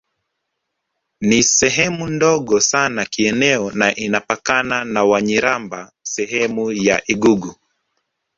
Ni sehemu ndogo sana kieneo na inapakana na Wanyiramba sehemu za lgugu